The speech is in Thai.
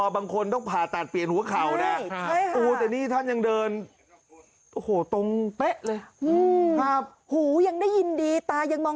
บางคนต้องผ่าตัดเปลี่ยนหัวเข่านะ